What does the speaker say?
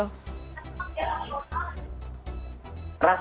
mas fim memang emosional